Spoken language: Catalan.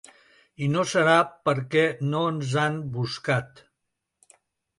I no serà perquè no ens han buscat.